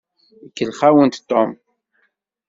Ikellex-awent Tom.